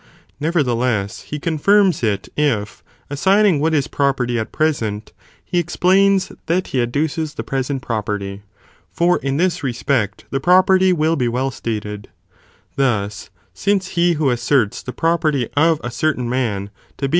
Nevertheless, he confirms it if, assigning what is pro perty at present, he explains that he adduces the present pro perty, for in this respect the property will be well stated; thus, since he who asserts 186 Property of a certain man to be 9 450 ARISTOTLE'S ORGANON, [BOOK γ.